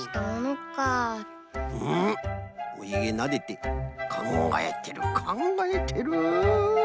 うんおひげなでてかんがえてるかんがえてる。